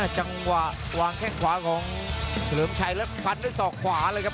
จังหวะวางแข้งขวาของเฉลิมชัยแล้วฟันด้วยศอกขวาเลยครับ